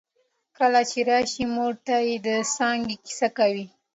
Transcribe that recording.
کله چې راشې مور ته يې د څانګې کیسه کوي